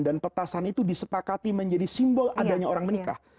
dan petasan itu disepakati menjadi simbol adanya orang menikah